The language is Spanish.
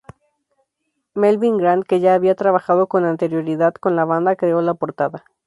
Melvyn Grant, que ya había trabajado con anterioridad con la banda, creó la portada.